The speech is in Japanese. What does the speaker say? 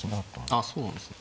そうなんですね。